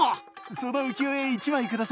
その浮世絵１枚下さい。